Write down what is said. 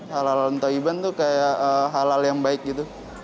halalan toiban tuh kayak halal yang baik gitu